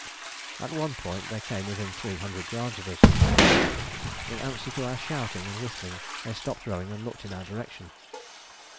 At one point they came within three hundred yards of us. In answer to our shouting and whistling, they stopped rowing and looked in our direction.